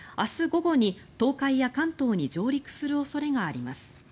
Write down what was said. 午後に東海や関東に上陸する恐れがあります。